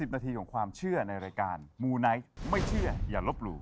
นาทีของความเชื่อในรายการมูไนท์ไม่เชื่ออย่าลบหลู่